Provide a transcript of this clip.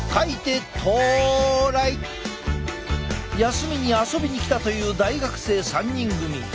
休みに遊びに来たという大学生３人組。